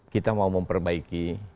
kita mau memperbaiki